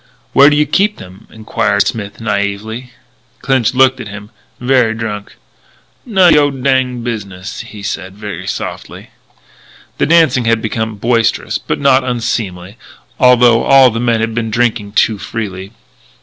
"Where do you keep them?" enquired Smith naïvely. Clinch looked at him, very drunk: "None o' your dinged business," he said very softly. The dancing had become boisterous but not unseemly, although all the men had been drinking too freely.